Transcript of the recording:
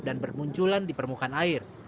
dan bermunculan di permukaan air